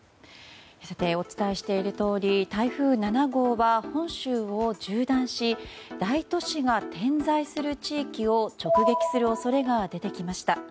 お伝えしているとおり台風７号は本州を縦断し大都市が点在する地域を直撃する恐れが出てきました。